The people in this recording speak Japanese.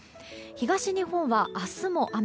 東日本は明日も雨。